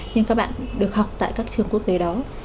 nhưng các bạn được học tại các trường quốc tế đó